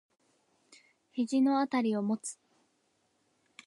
肘のあたりを持つ。